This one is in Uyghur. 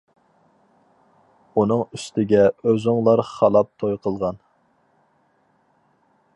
ئۇنىڭ ئۈستىگە ئۆزۈڭلار خالاپ توي قىلغان.